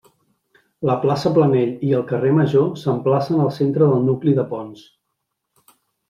La plaça Planell i el carrer Major s'emplacen al centre del nucli de Ponts.